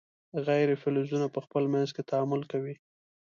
غیر فلزونه په خپل منځ کې تعامل کوي.